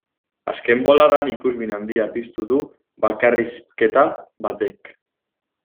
Azken boladan ikusmin handia piztu du bakarrizketa batek.